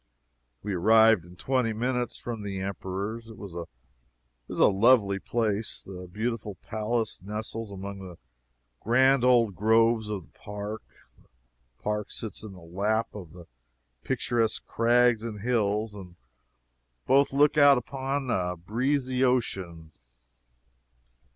We arrived in twenty minutes from the Emperor's. It is a lovely place. The beautiful palace nestles among the grand old groves of the park, the park sits in the lap of the picturesque crags and hills, and both look out upon the breezy ocean.